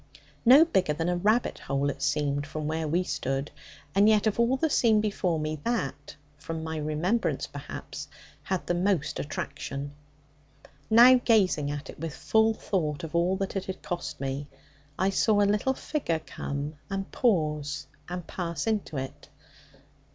No bigger than a rabbit hole it seemed from where we stood; and yet of all the scene before me, that (from my remembrance perhaps) had the most attraction. Now gazing at it with full thought of all that it had cost me, I saw a little figure come, and pause, and pass into it.